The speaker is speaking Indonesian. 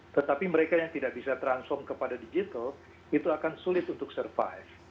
tetapi mereka yang tidak bisa transform kepada digital itu akan sulit untuk survive